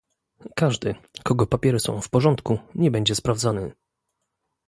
każdy, kogo papiery są w porządku, nie będzie sprawdzany